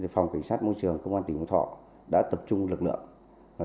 phòng cảnh sát môi trường công an tỉnh phú thọ đã tập trung lực lượng